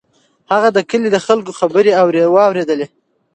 هغه د کلي د خلکو خبرې واورېدلې.